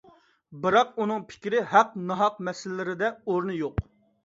بىراق ئۆنىڭ «پىكىر» «ھەق-ناھەق» مەسىلىلىرىدە ئورنى يوق.